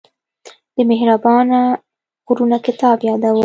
د مهربانه غرونه کتاب يادوم.